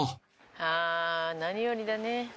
ああ何よりだね。